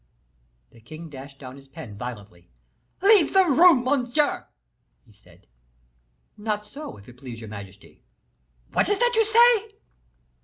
The king dashed down his pen violently. "Leave the room, monsieur!" he said. "Not so, if it please your majesty." "What is that you say?"